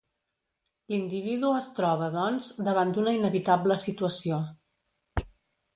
L'individu es troba, doncs, davant d'una inevitable situació.